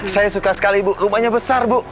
saya suka sekali ibu rumahnya besar bu